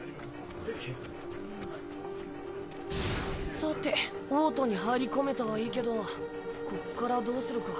さて王都に入り込めたはいいけどこっからどうするか。